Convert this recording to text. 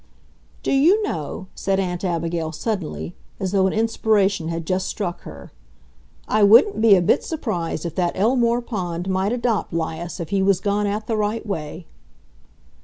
"Do you know," said Aunt Abigail suddenly, as though an inspiration had just struck her, "I wouldn't be a bit surprised if that Elmore Pond might adopt 'Lias if he was gone at the right way."